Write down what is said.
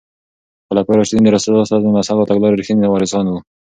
خلفای راشدین د رسول الله ص د مذهب او تګلارې رښتیني وارثان وو.